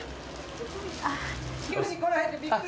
急に来られてびっくり。